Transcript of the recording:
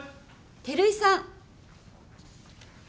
照井さん。